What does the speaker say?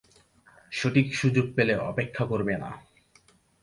সঠিক সুযোগ পেলে অপেক্ষা করবে না।